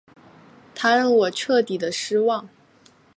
他让我彻底的失望